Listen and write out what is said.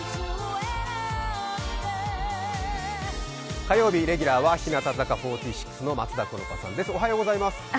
火曜日レギュラーは日向坂４６の松田好花さんです。